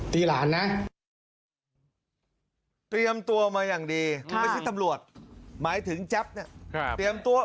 หลานนะเตรียมตัวมาอย่างดีไม่ใช่ตำรวจหมายถึงแจ๊บเนี่ยเตรียมตัว